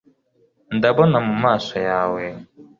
ndabona mu maso yawe